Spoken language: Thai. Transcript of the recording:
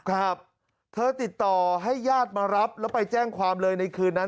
ครับเธอติดต่อให้ญาติมารับแล้วไปแจ้งความเลยในคืนนั้น